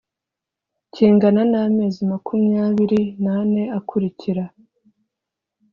kingana n amezi makumyabiri n ane akurikira